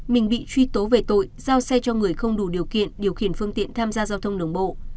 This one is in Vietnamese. mình bị truy tố về tội giao xe cho người không đủ điều kiện điều khiển phương tiện tham gia giao thông đường bộ